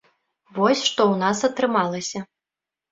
Вось што ў нас атрымалася.